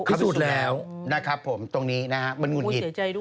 พิสูจน์แล้วนะครับตรงนี้นะฮะบรรคุณหิต